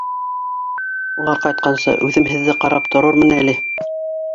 Улар ҡайтҡансы үҙем һеҙҙе ҡарап торормон әле.